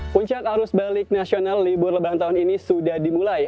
puncak arus balik nasional libur lebaran tahun ini sudah dimulai